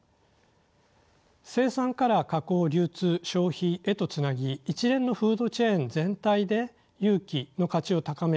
生産から加工流通消費へとつなぎ一連のフードチェーン全体で有機の価値を高める。